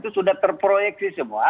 itu sudah terproyeksi semua